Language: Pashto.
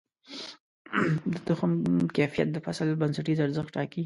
د تخم کیفیت د فصل بنسټیز ارزښت ټاکي.